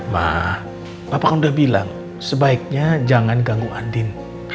ma papa kan udah bilang sebaiknya jangan ganggu andien